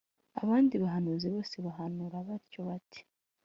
abandi bahanuzi bose bahanura batyo bati